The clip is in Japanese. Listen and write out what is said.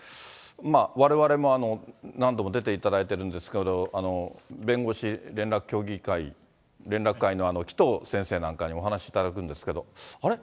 まあ、われわれも何度も出ていただいてるんですけど、弁護士連絡協議会、連絡会のきとう先生なんかのお話いただくんですけど、あれ？